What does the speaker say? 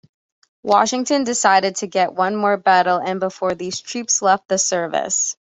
Washington decided to get one more battle in before these troops left the service.